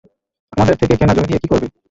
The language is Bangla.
আমাদের থেকে কেনা জমি দিয়ে কী করবে?